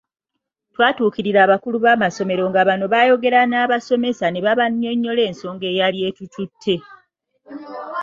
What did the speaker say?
Twatuukirira abakulu b'amasomero nga bano baayogera n'abasomesa ne babanyonnyola ensonga eyali etututte.